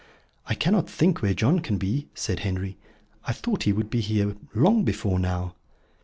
"I cannot think where John can be," said Henry. "I thought he would be here long before now."